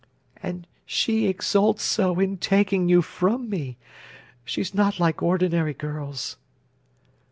"And she exults so in taking you from me—she's not like ordinary girls."